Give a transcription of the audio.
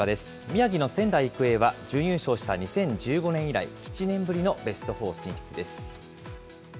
宮城の仙台育英は、準優勝した２０１５年以来、７年ぶりのベストフォー進出です。